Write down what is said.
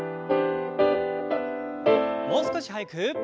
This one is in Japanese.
もう少し速く。